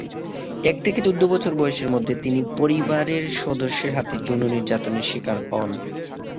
এক থেকে চৌদ্দ বছর বয়সের মধ্যে তিনি পরিবারের সদস্যদের হাতে যৌন নির্যাতনের শিকার হন।